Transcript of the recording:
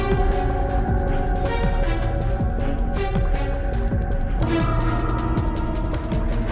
enggak udah kok